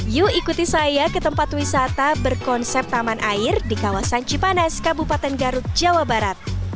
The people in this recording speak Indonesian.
yuk ikuti saya ke tempat wisata berkonsep taman air di kawasan cipanas kabupaten garut jawa barat